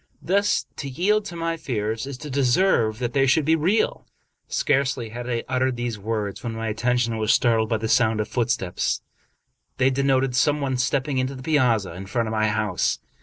Thus to yield to my fears is to deserve that they should be real." Scarcely had I uttered these words, when my attention was startled by the sound of footsteps. They denoted some one stepping into the piazza in front of my house.